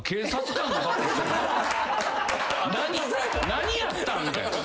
何やったん？みたいな。